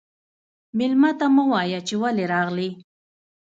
مېلمه ته مه وايه چې ولې راغلې.